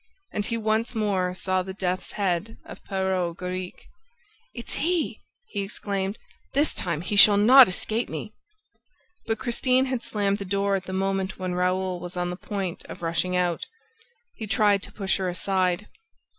And he once more saw the death's head of Perros Guirec. "It's he!" he exclaimed. "This time, he shall not escape me! ..." But Christian had slammed the door at the moment when Raoul was on the point of rushing out. He tried to push her aside.